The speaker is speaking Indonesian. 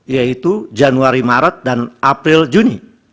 yaitu januari maret dan april juni